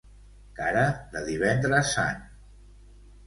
Cara de Divendres Sant.